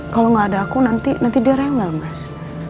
kalau gak ada aku nanti dia rewel mas